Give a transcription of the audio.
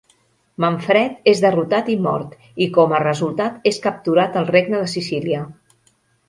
Manfred és derrotat i mort, i com a resultat és capturat el Regne de Sicília.